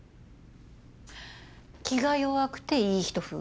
気が弱くていい人風。